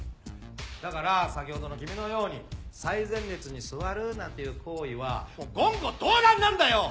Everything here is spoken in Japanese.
だから先ほどの君のように最前列に座るなんていう行為は言語道断なんだよ！